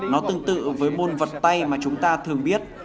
nó tương tự với môn vật tay mà chúng ta thường biết